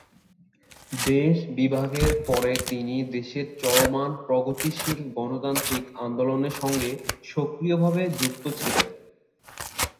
দেশ বিভাগের পরে তিনি দেশের চলমান প্রগতিশীল গণতান্ত্রিক আন্দোলনের সঙ্গে সক্রিয়ভাবে যুক্ত ছিলেন।